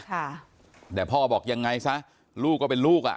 ค่ะแต่พ่อบอกยังไงซะลูกก็เป็นลูกอ่ะ